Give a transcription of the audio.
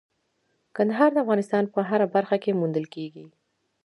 کندهار د افغانستان په هره برخه کې موندل کېږي.